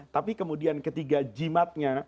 tapi kemudian ketiga jimatnya